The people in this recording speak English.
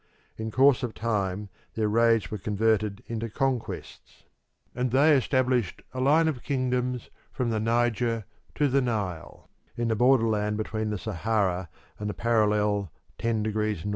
In course of time their raids were converted into conquests, and they established a line of kingdoms from the Niger to the Nile, in the borderland between the Sahara and the parallel 10ş N.